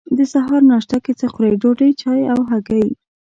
د سهار ناشته کی څه خورئ؟ ډوډۍ، چای او هګۍ